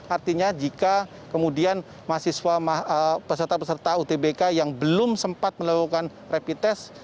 artinya jika kemudian mahasiswa peserta peserta utbk yang belum sempat melakukan rapid test